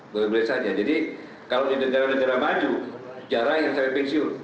boleh boleh saja jadi kalau di negara negara maju jarang sampai pensiun